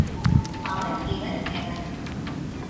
அவன் இவன் எவன்